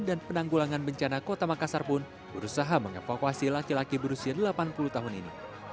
dan penanggulangan bencana kota makassar pun berusaha mengevakuasi laki laki berusia delapan puluh tahun ini